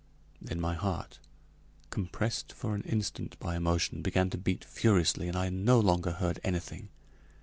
Then my heart, compressed for an instant by emotion, began to beat furiously and I no longer heard anything!